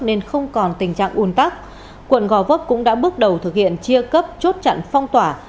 nên không còn tình trạng un tắc quận gò vấp cũng đã bước đầu thực hiện chia cấp chốt chặn phong tỏa